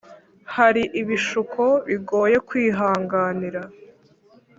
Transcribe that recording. Hari ibishuko bigoye kwihanganira